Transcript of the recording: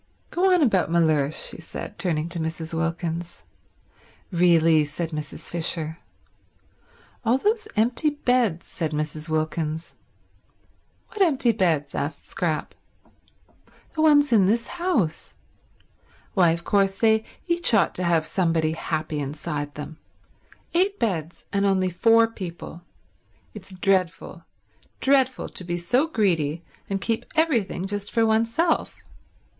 Go on about Mellersh," she said, turning to Mrs. Wilkins. "Really—" said Mrs. Fisher. "All those empty beds," said Mrs. Wilkins. "What empty beds?" asked Scrap. "The ones in this house. Why, of course they each ought to have somebody happy inside them. Eight beds, and only four people. It's dreadful, dreadful to be so greedy and keep everything just for oneself.